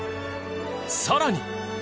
さらに。